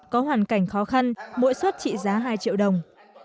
có hoàn cảnh khó khăn mỗi suất trị giá hai triệu đồng